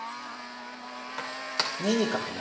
２二角成。